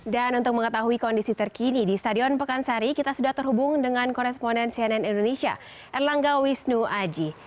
dan untuk mengetahui kondisi terkini di stadion pekansari kita sudah terhubung dengan koresponen cnn indonesia erlangga wisnu aji